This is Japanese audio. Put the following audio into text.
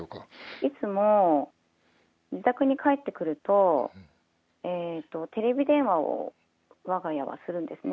いつも、自宅に帰ってくるとテレビ電話をわが家はするんですね。